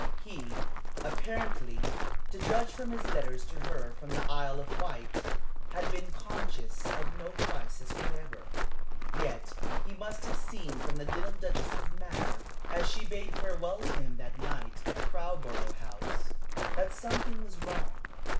He, apparently, to judge from his letters to her from the Isle of Wight, had been conscious of no crisis whatever. Yet he must have seen from the little Duchess's manner, as she bade farewell to him that night at Crowborough House, that something was wrong.